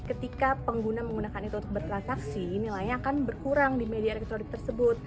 ketika pengguna menggunakan itu untuk bertransaksi nilainya akan berkurang di media elektronik tersebut